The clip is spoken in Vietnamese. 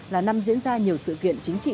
là năm diễn ra nhiều sự kiện chính trị